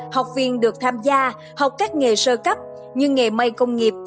học viên được tham gia học các nghề sơ cấp như nghề mây công nghiệp